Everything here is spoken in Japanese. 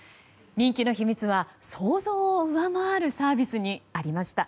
人気の秘密は想像を上回るサービスにありました。